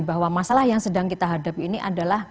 bahwa masalah yang sedang kita hadapi ini adalah